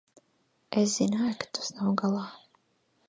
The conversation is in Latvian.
Es zināju, ka tas nav galā.